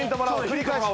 繰り返し。